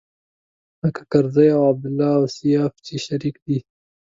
لکه کرزی او عبدالله او سياف چې شريک دی.